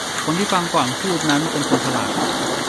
คนที่ฟังก่อนพูดนั้นเป็นคนฉลาด